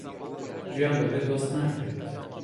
ژیان بەبێ دۆست ناکرێت